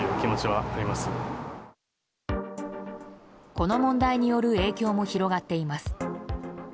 この問題による影響も広がっています。